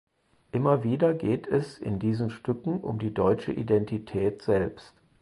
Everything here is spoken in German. Immer wieder geht es in diesen Stücken um die deutsche Identität selbst.